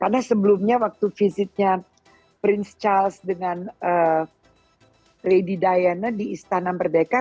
karena sebelumnya waktu visitnya prince charles dengan lady diana di istana merdeka